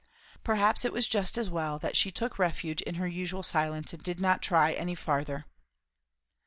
Perhaps it was just as well that she took refuge in her usual silence and did not try any further.